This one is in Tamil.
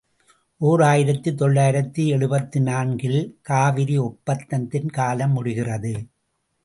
ஓர் ஆயிரத்து தொள்ளாயிரத்து எழுபத்து நான்கு இல் காவிரி ஒப்பந்தத்தின் காலம் முடிகிறது.